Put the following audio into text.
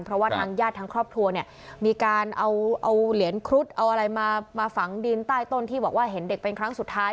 เพราะว่าทางญาติทางครอบครัวเนี่ยมีการเอาเหรียญครุฑเอาอะไรมาฝังดินใต้ต้นที่บอกว่าเห็นเด็กเป็นครั้งสุดท้าย